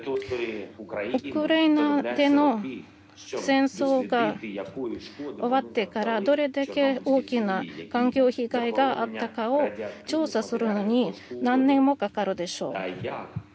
ウクライナでの戦争が終わってからどれだけ大きな環境被害があったかを調査するのに何年もかかるでしょう。